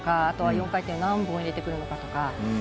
あとは４回転を何本入れてくるのかとか。